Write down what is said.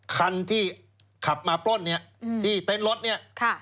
คันที่ขับมาปล้นเนี่ยที่เต็นต์รถเนี่ย